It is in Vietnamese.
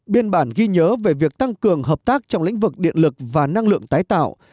biên bản ghi nhớ về việc tăng cường hợp tác trong lĩnh vực điện lực và năng lượng tái tạo